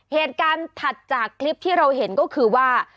เหตุการณ์ถัดจากคลิปที่เราเห็นก็คือว่า